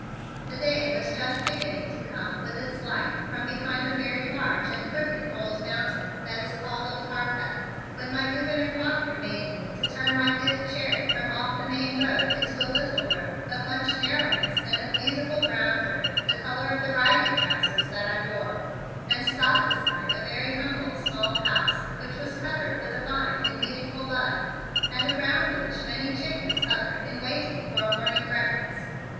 The day was just beginning to come with its light from behind the very large and crooked old mountain that is called Old Harpeth, when my Gouverneur Faulkner made me to turn my good Cherry from off the main road into a little road, of much narrowness and of beautiful brown dirt the color of the riding trousers that I wore, and stop beside a very humble, small house, which was covered with a vine in beautiful bud, and around which many chickens hovered in waiting for a morning breakfast.